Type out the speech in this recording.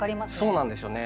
そうなんですよね。